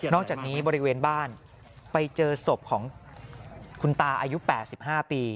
อกจากนี้บริเวณบ้านไปเจอศพของคุณตาอายุ๘๕ปี